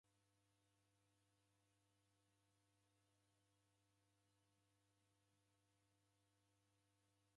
W'akristo w'arumiria angu Jesu oreruka ukajoka Mlungunyi.